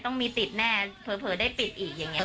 ต้องมีติดแน่เผลอได้ปิดอีกอย่างนี้